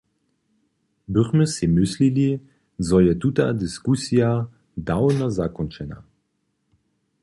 Běchmy sej myslili, zo je tuta diskusija dawno zakónčena.